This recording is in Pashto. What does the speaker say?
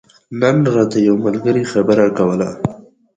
نن راته يو ملګري خبره کوله